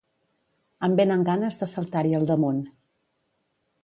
Em vénen ganes de saltar-hi al damunt.